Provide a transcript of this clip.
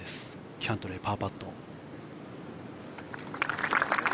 キャントレー、パーパット。